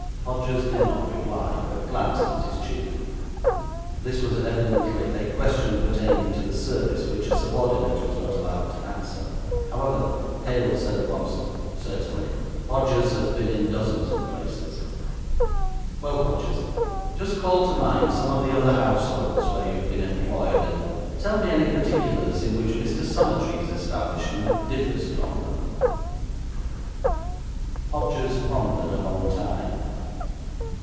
Podgers did not reply, but glanced at his chief. This was evidently a question pertaining to the service, which a subordinate was not allowed to answer. However, Hale said at once, 'Certainly. Podgers has been in dozens of places.' 'Well, Podgers, just call to mind some of the other households where you have been employed, and tell me any particulars in which Mr Summertrees' establishment differs from them.' Podgers pondered a long time.